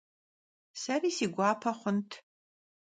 Seri si guape xhunt.